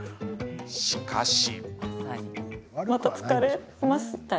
しかし。